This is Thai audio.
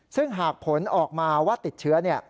ซึ่งหากผลออกมาว่าติดเชื้อ